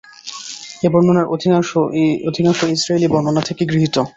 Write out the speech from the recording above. এ বর্ণনার অধিকাংশই ইসরাঈলী বর্ণনা থেকে গৃহীত।